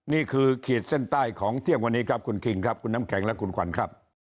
ขีดเส้นใต้ของเที่ยงวันนี้ครับคุณคิงครับคุณน้ำแข็งและคุณขวัญครับ